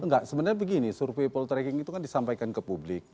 enggak sebenarnya begini survei poltreking itu kan disampaikan ke publik